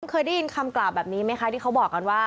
เคยได้ยินคำกล่าวแบบนี้ไหมคะที่เขาบอกกันว่า